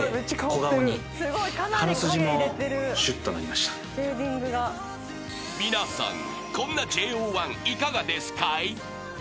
こんなＪＯ１いかがですかい？］